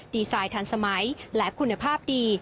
ดีไซน์ทันสมัยและคุณภาพดี